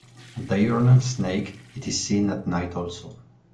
A diurnal snake, it is seen at night also.